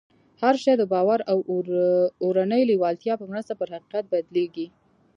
هر شی د باور او اورنۍ لېوالتیا په مرسته پر حقیقت بدلېږي